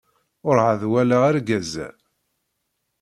Urɛad walaɣ argaz-a.